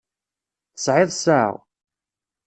Tesɛiḍ ssaɛa.